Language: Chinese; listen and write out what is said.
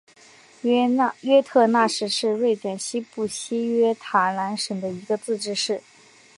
约特讷市是瑞典西部西约塔兰省的一个自治市。